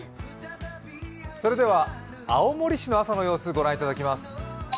それでは、青森市の朝の様子ご覧いただきます。